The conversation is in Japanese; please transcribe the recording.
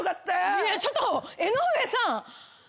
いやちょっと江上さん！